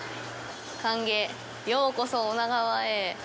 「歓迎ようこそ女川町へ」。